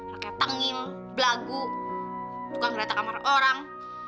rakyat anggil belagu tukang gerak di kamar orang